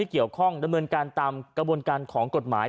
ที่เกี่ยวกันด้านบนการตามกระบวนการของกฎหมาย